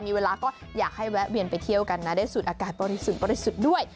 มีเวลาก็อยากให้แวะเวียนไปเที่ยวกันนะได้สูดอากาศบริสุทธิ์บริสุทธิ์ด้วย